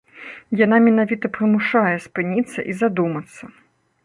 Яна менавіта прымушае спыніцца і задумацца.